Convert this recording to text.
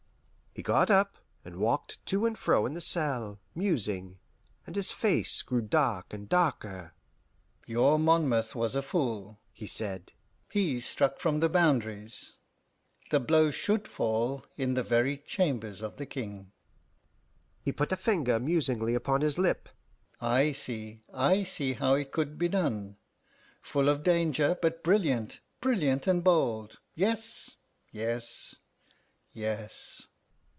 He got up, and walked to and fro in the cell, musing, and his face grew dark and darker. "Your Monmouth was a fool," he said. "He struck from the boundaries; the blow should fall in the very chambers of the King." He put a finger musingly upon his lip. "I see I see how it could be done. Full of danger, but brilliant, brilliant and bold! Yes, yes...yes!"